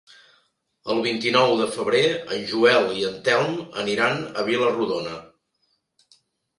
El vint-i-nou de febrer en Joel i en Telm aniran a Vila-rodona.